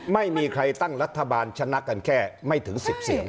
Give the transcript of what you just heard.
ไม่มีใครตั้งรัฐบาลชนะกันแค่ไม่ถึง๑๐เสียง